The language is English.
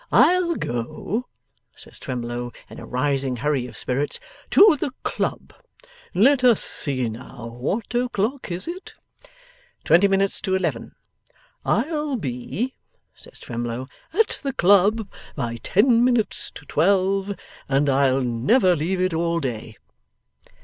'I'll go,' says Twemlow, in a rising hurry of spirits, 'to the club; let us see now; what o'clock is it?' 'Twenty minutes to eleven.' 'I'll be,' says Twemlow, 'at the club by ten minutes to twelve, and I'll never leave it all day.